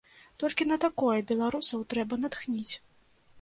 Толькі на такое беларусаў трэба натхніць.